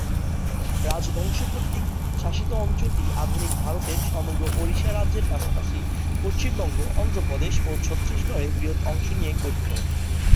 রাজবংশ কর্তৃক শাসিত অঞ্চলটি আধুনিক ভারতের সমগ্র ওড়িশা রাজ্যের পাশাপাশি পশ্চিমবঙ্গ, অন্ধ্রপ্রদেশ ও ছত্তিশগড়ের বৃহৎ অংশ নিয়ে গঠিত।